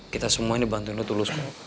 kita semua ini bantunya tulusmu